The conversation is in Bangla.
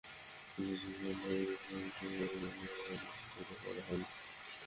কিন্তু ঝুঁকিপূর্ণ বলে তাঁর বিলবোর্ডটি অপসারণ করা হলেও অন্যগুলো করা হয়নি।